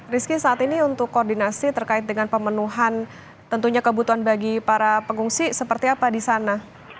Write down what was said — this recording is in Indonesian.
rizky saat ini untuk koordinasi terkait dengan pemenuhan tentunya kebutuhan bagi para pengungsi seperti apa di sana